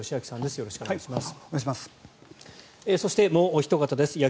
よろしくお願いします。